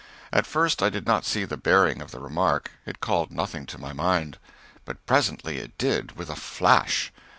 At first I did not see the bearing of the remark, it called nothing to my mind. But presently it did with a flash!